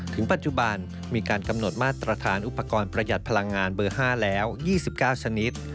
ปัจจุบันมีการกำหนดมาตรฐานอุปกรณ์ประหยัดพลังงานเบอร์๕แล้ว๒๙ชนิด